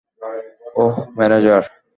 ওহ, manager.